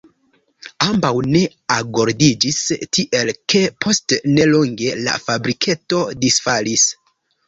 Ambaŭ ne agordiĝis, tiel ke post nelonge la fabriketo disfalis.